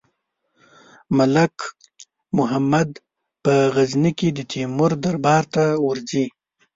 ملک محمد په غزني کې د تیمور دربار ته ورځي.